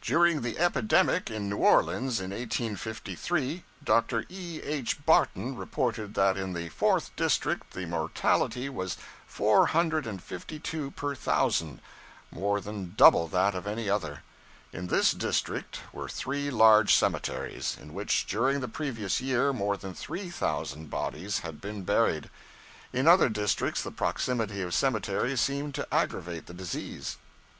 'During the epidemic in New Orleans in 1853, Dr. E. H. Barton reported that in the Fourth District the mortality was four hundred and fifty two per thousand more than double that of any other. In this district were three large cemeteries, in which during the previous year more than three thousand bodies had been buried. In other districts the proximity of cemeteries seemed to aggravate the disease.